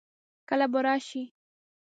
کله به راشي؟